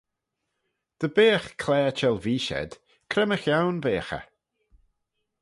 Dy beagh claare çhellveeish ayd, cre mychione veagh eh?